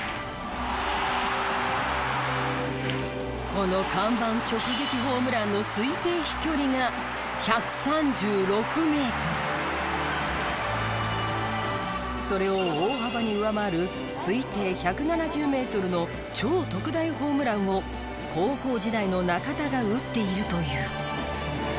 この看板直撃ホームランのそれを大幅に上回る推定１７０メートルの超特大ホームランを高校時代の中田が打っているという。